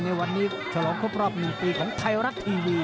ในวันนี้ฉลองครบรอบ๑ปีของไทยรัฐทีวี